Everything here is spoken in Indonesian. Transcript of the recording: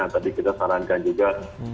tapi jadi kita sarankan juga